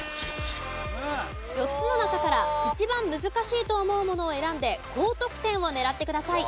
４つの中から一番難しいと思うものを選んで高得点を狙ってください。